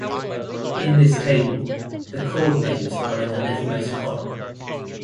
In this table, the chord names are in the leftmost column.